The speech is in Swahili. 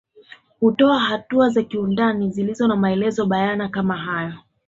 Hutoa hatua za kiundani zilizo na maelezo bayana kama hayo